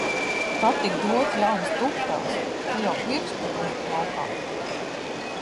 Ka tik dotu jaunas tupeles! Te jau pirksti liek laukā.